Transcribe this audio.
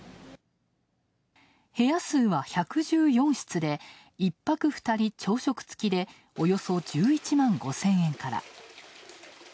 部屋数は１１４室で１泊２人朝食付きでおよそ１１万５０００円から。